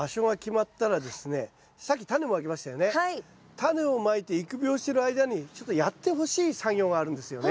タネをまいて育苗してる間にちょっとやってほしい作業があるんですよね。